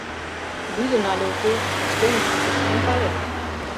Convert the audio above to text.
Лӱдын але уке — пычкемышыште мом палет.